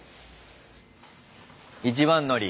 一番乗り。